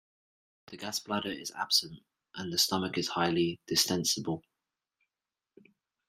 The gas bladder is absent and the stomach is highly distensible.